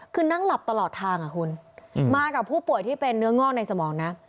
คือนั่งหลับตลอดทางอ่ะคุณมากับผู้ป่วยที่เป็นเนื้องอกในสมองนะ